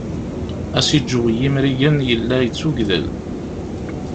Asiǧǧew n yimrigen yella yettugdel.